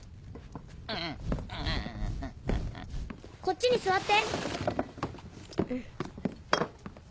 こっちに座って。